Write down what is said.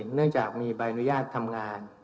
เนื่องจากมีใบอนุญาตทำงาน